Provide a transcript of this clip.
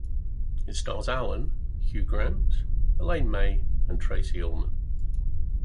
It stars Allen, Hugh Grant, Elaine May and Tracey Ullman.